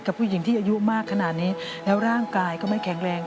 ผู้หญิงที่อายุมากขนาดนี้แล้วร่างกายก็ไม่แข็งแรง